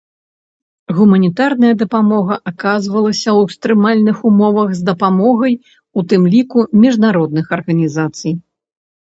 Гуманітарная дапамога аказвалася ў экстрэмальных умовах з дапамогай, у тым ліку, міжнародных арганізацый.